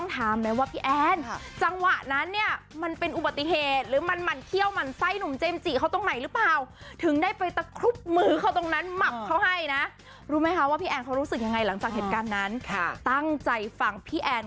ดังนั้นมับเขาให้นะรู้ไหมค่ะว่าพี่แอนเขารู้สึกยังไงหลังจากเหตุการณ์นั้นค่ะตั้งใจฟังพี่แอน